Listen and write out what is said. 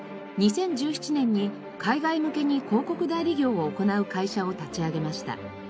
２０１７年に海外向けに広告代理業を行う会社を立ち上げました。